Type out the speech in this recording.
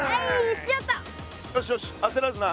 よしよしあせらずな。